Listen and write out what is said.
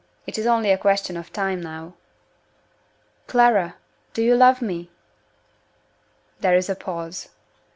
It is only a question of time now! "Clara! do you love me?" There is a pause.